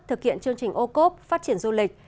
thực hiện chương trình ô cốp phát triển du lịch